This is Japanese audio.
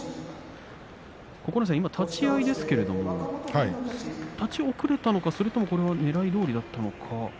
九重さん、今立ち合いですけれど立ち遅れたのかそれともねらいどおりだったのか。